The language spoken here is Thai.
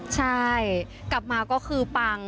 ใช่กลับมาก็คือปัง